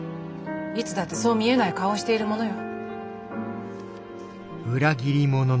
いつだってそう見えない顔をしているものよ。